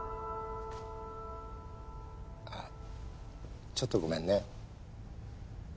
あちょっとごめんね。